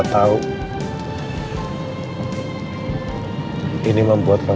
buka vijaya ies pesipang bagi enam